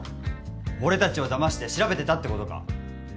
俺たちをだまして調べてたってことか！